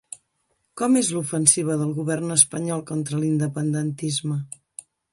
Com és l'ofensiva del govern espanyol contra l'independentisme?